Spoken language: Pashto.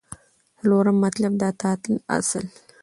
څلورم مطلب : د اطاعت اصل